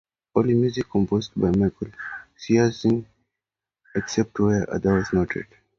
All music composed by Michael Giacchino except where otherwise noted.